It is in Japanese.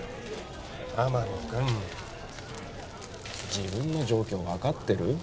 天海君自分の状況分かってる？